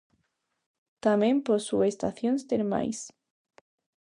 Tamén posúe estacións termais.